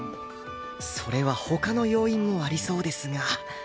それは他の要因もありそうですが